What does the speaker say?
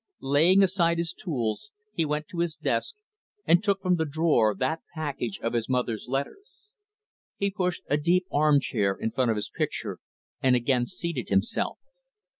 Laying aside his tools, he went to his desk, and took from the drawer, that package of his mother's letters. He pushed a deep arm chair in front of his picture, and again seated himself.